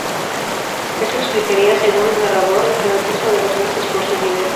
Esto explicaría, según el narrador, el fanatismo de los nazis por su líder.